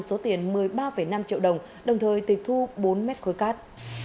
số tiền một mươi ba năm triệu đồng đồng thời tùy thu bốn mét khối cát